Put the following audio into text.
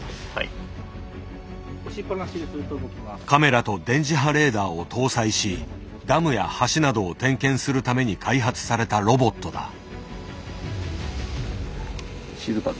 カメラと電磁波レーダーを搭載しダムや橋などを点検するために開発されたロボットだ。